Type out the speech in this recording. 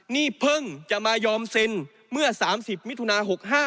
นี่เพิ่งจะมายอมเซ็นเมื่อ๓๐มิถุนา๖๕